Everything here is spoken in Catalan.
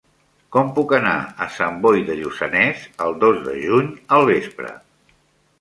Com puc anar a Sant Boi de Lluçanès el dos de juny al vespre?